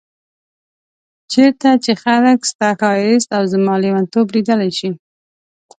چيرته چي خلګ ستا ښايست او زما ليونتوب ليدلی شي